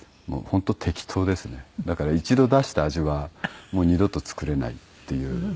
だから一度出した味はもう二度と作れないっていう。